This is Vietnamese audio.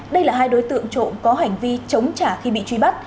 đây là hai đối tượng trộm có hành vi chống trả khi bị truy bắt